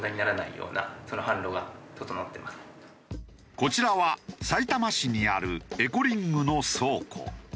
こちらはさいたま市にあるエコリングの倉庫。